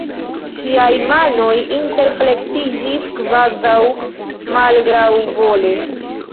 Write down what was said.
Ŝiaj manoj interplektiĝis kvazaŭ malgraŭvole.